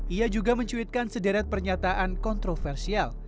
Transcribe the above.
ia juga mencuitkan sederet pernyataan kontroversial